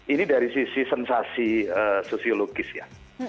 ini dari sisi sensasi sosiologis ya